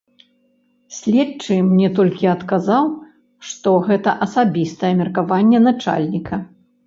Следчы мне толькі адказаў, што гэта асабістае меркаванне начальніка.